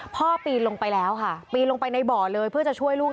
ปีนลงไปแล้วค่ะปีนลงไปในบ่อเลยเพื่อจะช่วยลูก